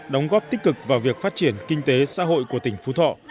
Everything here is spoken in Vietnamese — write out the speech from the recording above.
đóng góp tích cực vào việc phát triển kinh tế xã hội của tỉnh phú thọ